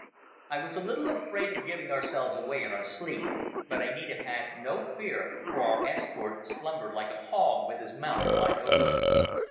I was a little afraid of our giving ourselves away in our sleep, but I need have had no fear, for our escort slumbered like a hog with his mouth wide open.